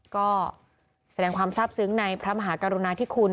ก็แสดงความทราบซึ้งในพระมหากรุณาธิคุณ